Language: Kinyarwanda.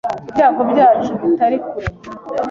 Ibyago byacu bitari kure